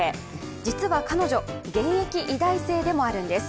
実は彼女、現役医大生でもあるんです。